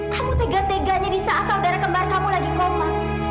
kamu tega teganya di saat saudara kembar kamu lagi koma